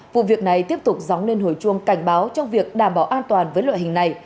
vụ việc này tiếp tục dóng lên hồi chuông cảnh báo trong việc đảm bảo an toàn với loại hình này